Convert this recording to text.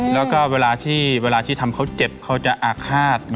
แล้วก็เวลาที่ทำเขาเจ็บเขาจะอาฆาต